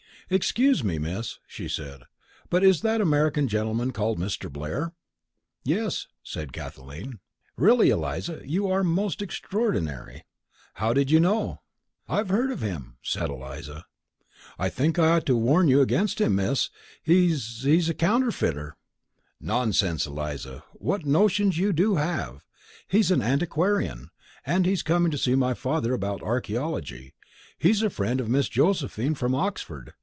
"Excuse me, Miss," she said, "but is that American gentleman called Mr. Blair?" "Yes," said Kathleen. "Really, Eliza, you are most extraordinary. How did you know?" "I've heard of him," said Eliza. "I think I ought to warn you against him, miss. He's he's a counterfeiter." "Nonsense, Eliza. What notions you do have! He's an antiquarian, and he's coming to see my father about archaeology. He's a friend of Miss Josephine, from Oxford.